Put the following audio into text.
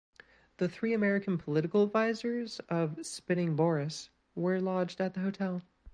The three American political advisers of Spinning Boris were lodged at the hotel.